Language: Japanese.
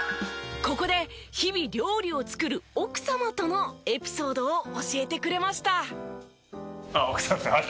ここで日々料理を作る奥様とのエピソードを教えてくれました。